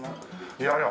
いやいや。